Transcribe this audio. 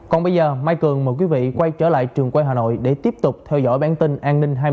còn bây giờ mai cường mời quý vị quay trở lại trường quay hà nội để tiếp tục theo dõi bản tin an ninh hai mươi h